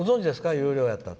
有料やったの。